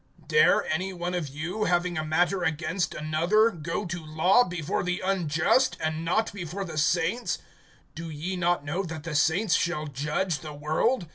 DARE any one of you, having a matter against another, go to law before the unjust, and not before the saints? (2)Do ye not know that the saints shall judge the world?